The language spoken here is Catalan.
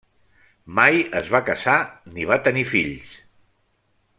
Mai es va casar ni va tenir fills.